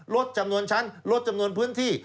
ลดจำนวนชั้นลดจำนวนพื้นที่